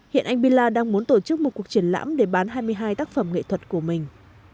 hiện anh bila đang muốn tổ chức một cuộc triển lãm để bán hai mươi hai tác phẩm nghệ thuật của mình